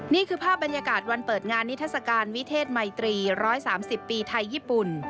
นี่คือภาพบรรยากาศวันเปิดงานนิทัศกาลวิเทศมัยตรี๑๓๐ปีไทยญี่ปุ่น